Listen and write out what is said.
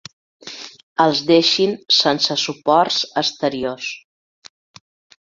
Els deixin sense suports exteriors.